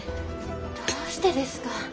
どうしてですか。